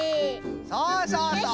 そうそうそう！